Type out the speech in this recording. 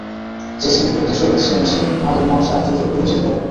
যে শ্রেণীর লোকদের সহিত সে মেশে, তাহাদের মন সে আশ্চর্যরূপে বুঝিতে পারে।